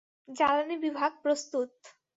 জ্বালানী বিভাগ, প্রস্তুত।